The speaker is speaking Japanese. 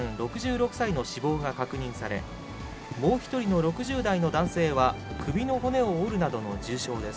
６６歳の死亡が確認され、もう１人の６０代の男性は、首の骨を折るなどの重傷です。